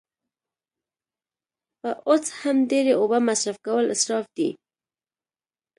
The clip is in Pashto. په اودس هم ډیری اوبه مصرف کول اصراف دی